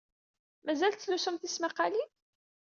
Mazal tettlusum tismaqqalin?